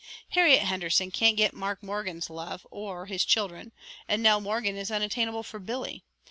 "Harriet Henderson can't get Mark Morgan's love or his children, and Nell Morgan is unattainable for Billy.